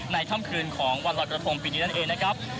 ค่ำคืนของวันรอยกระทงปีนี้นั่นเองนะครับ